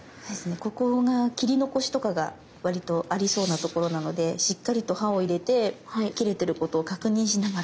ここが切り残しとかが割とありそうなところなのでしっかりと刃を入れて切れてることを確認しながら。